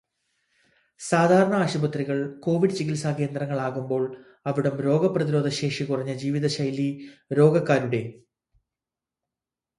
സാധാരണ ആശുപത്രികൾ കോവിഡ് ചികിത്സാ കേന്ദ്രങ്ങൾ ആകുമ്പോൾ അവിടം രോഗപ്രതിരോധശേഷി കുറഞ്ഞ ജീവിതശൈലീ രോഗക്കാരുടെ